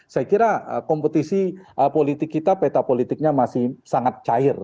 saya kira kompetisi politik kita peta politiknya masih sangat cair